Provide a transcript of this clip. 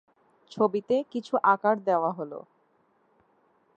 ছবিতে কিছু আকার দেওয়া হল।